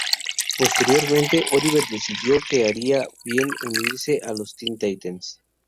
Posteriormente, Oliver decidió que haría bien unirse a los Teen Titans.